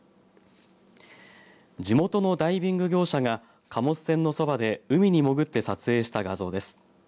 地元のダイビング業者が貨物船のそばで海に潜って撮影した画像です。